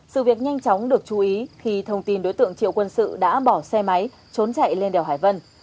sự việc nhanh chóng được chú ý khi thông tin đối tượng triệu quân sự đã bỏ xe máy trốn chạy lên đèo hải vân